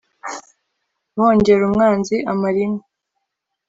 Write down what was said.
uhongera umwanzi amara inka